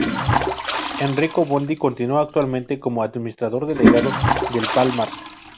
Enrico Bondi continúa actualmente como administrador delegado de Parmalat.